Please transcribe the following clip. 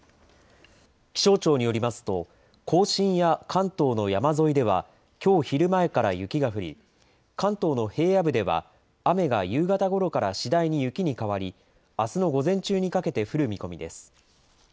気象庁によりますと、甲信や関東の山沿いでは、きょう昼前から雪が降り、関東の平野部では雨が夕方ごろから次第に雪に変わり、あすの午前中にかけて降る見込みです。